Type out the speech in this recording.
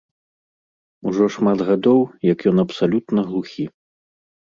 Ужо шмат гадоў, як ён абсалютна глухі.